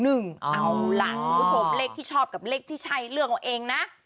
เอาล่ะคุณผู้ชมเลขที่ชอบกับเลขที่ใช่เลือกเอาเองนะ